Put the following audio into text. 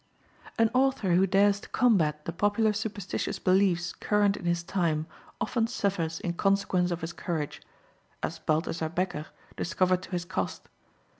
An author who dares to combat the popular superstitious beliefs current in his time often suffers in consequence of his courage, as Balthazar Bekker discovered to his cost.